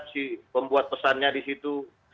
si pembuat pesannya di situ